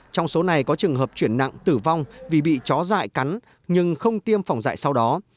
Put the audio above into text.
trong số này có trường hợp chuyển nặng tử vong vì bị chó dại cắn nhưng không tiêm phòng dạy sau đó